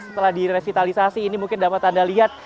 setelah direvitalisasi ini mungkin dapat anda lihat